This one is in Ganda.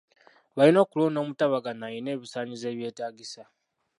Balina okulonda omutabaganya ayina ebisaanyizo ebyetaagisa.